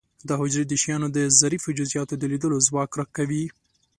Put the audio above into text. دا حجرې د شیانو د ظریفو جزئیاتو د لیدلو ځواک را کوي.